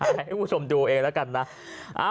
ให้คุณผู้ชมดูเองแล้วกันนะ